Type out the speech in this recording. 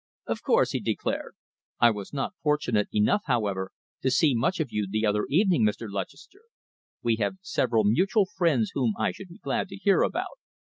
"Of course!" he declared. "I was not fortunate enough, however, to see much of you the other evening, Mr. Lutchester. We have several mutual friends whom I should be glad to hear about."